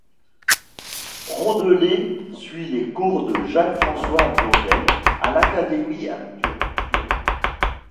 Rondelet suit les cours de Jacques-François Blondel à l'Académie d'architecture.